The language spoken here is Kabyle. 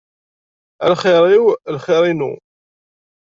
A lxir-iw lxir-inu.